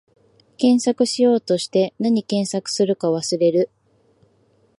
検索しようとして、なに検索するか忘れる